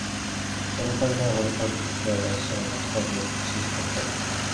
오둑가지 생각이 머릿속에 들끓어서 영신은 잠시도 눈을 붙이지 못하였다.